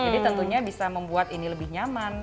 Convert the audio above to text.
jadi tentunya bisa membuat ini lebih nyaman